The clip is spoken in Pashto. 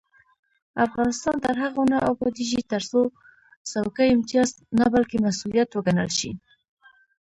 افغانستان تر هغو نه ابادیږي، ترڅو څوکۍ امتیاز نه بلکې مسؤلیت وګڼل شي.